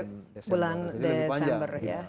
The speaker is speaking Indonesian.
sampai bulan desember ya